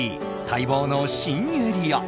待望の新エリア。